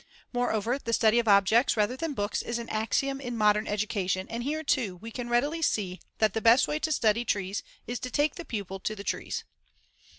Moreover, the study of objects rather than books is an axiom in modern education and here, too, we can readily see that the best way to study trees is to take the pupil to the trees.